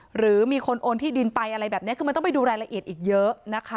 หรือมีคนโอนที่ดินไปอะไรแบบนี้คือมันต้องไปดูรายละเอียดอีกเยอะนะคะ